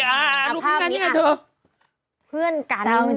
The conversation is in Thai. อ่ารูปพี่ไงเนี่ยเถอะ